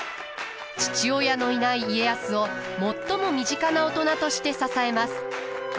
父親のいない家康を最も身近な大人として支えます。